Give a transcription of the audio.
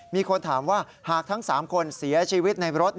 มีคนถามว่าหากทั้ง๓คนเสียชีวิตในรถ